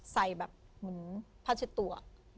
ใส่แบบเหมือนผ้าเช็ดตัว